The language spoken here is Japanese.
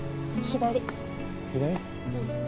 左？